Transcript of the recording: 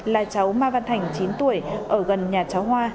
là cháu ma văn thành chín tuổi ở gần nhà cháu hoa